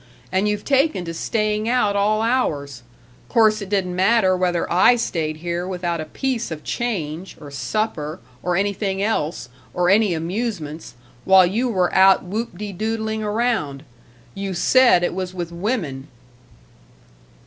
And you've taken to staying out all hours course it didn't matter whether I stayed here without a piece of change, or supper, or anything else, or any amusements, while you were out whoop de doodling around You said it was with women!"